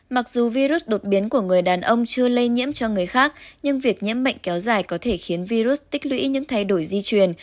mặc dù virus đột biến của người đàn ông chưa lây nhiễm cho người khác nhưng việc nhiễm bệnh kéo dài có thể khiến virus tích lũy những thay đổi di truyền